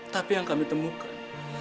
tapi yang kami temukan